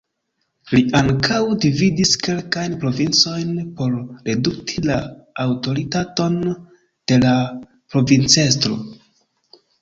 Li ankaŭ dividis kelkajn provincojn por redukti la aŭtoritaton de la provincestro.